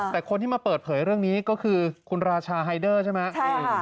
แต่คนที่มาเปิดเผยเรื่องนี้ก็คือคุณราชาไฮเดอร์ใช่ไหม